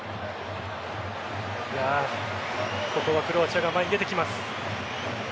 ここはクロアチアが前に出てきます。